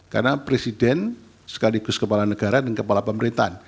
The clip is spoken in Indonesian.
karena presiden sekaligus kepala negara dan kepala pemerintahan